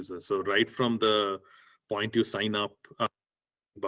kekontrol tentang data itu